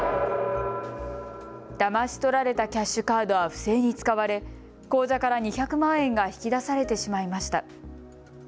だまし取られたキャッシュカードは不正に使われ、口座から２００万円が引き出されてしまいました。